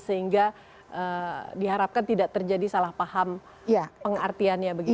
sehingga diharapkan tidak terjadi salah paham pengartiannya begitu